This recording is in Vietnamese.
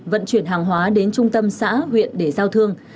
vận chuyển hàng hóa đến trung tâm xã huyện để giao thương